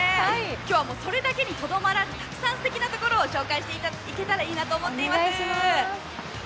今日はそれだけにとどまらずたくさんすてきなところを紹介していけたらいいなと思っています。